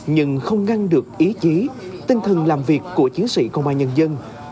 nhưng không ngăn được ý chí tinh thần làm việc của chiến sĩ công an nhân dân